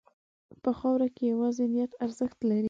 په خاوره کې یوازې نیت ارزښت لري.